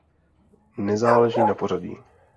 Nezáleží na pořadí.